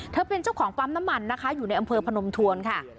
เป็นเจ้าของปั๊มน้ำมันนะคะอยู่ในอำเภอพนมทวนค่ะ